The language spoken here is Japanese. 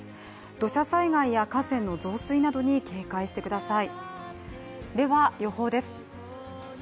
土砂災害や河川の増水などに警戒してください